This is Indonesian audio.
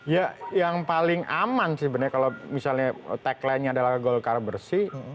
ya yang paling aman sebenarnya kalau misalnya tagline nya adalah golkar bersih